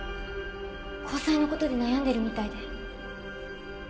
交際のことで悩んでるみたいで。